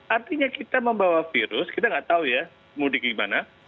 artinya kita membawa virus kita nggak tahu ya mudik gimana